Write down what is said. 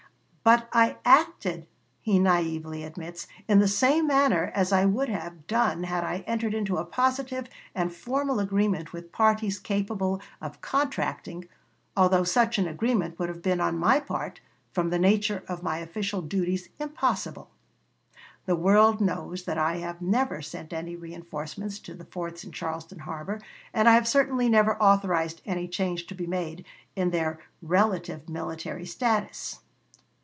"But I acted," he naïvely admits, "in the same manner as I would have, done had I entered into a positive and formal agreement with parties capable of contracting, although such an agreement would have been, on my part, from the nature of my official duties, impossible. The world knows that I have never sent any reënforcements to the forts in Charleston harbor, and I have certainly never authorized any change to be made in their 'relative military status.'"